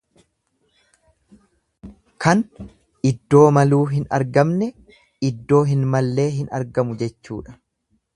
Kan iddoo maluu hin argamne iddoo hin mallee hin argamu jechuudha.